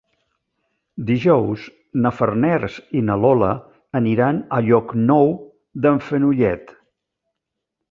Dijous na Farners i na Lola aniran a Llocnou d'en Fenollet.